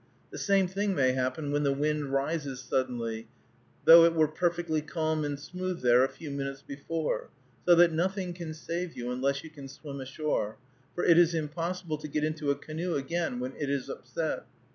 The same thing may happen when the wind rises suddenly, though it were perfectly calm and smooth there a few minutes before; so that nothing can save you, unless you can swim ashore, for it is impossible to get into a canoe again when it is upset.